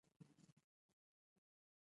د چین په اړه د متحده ایالتونو سیاست جوړ شوی.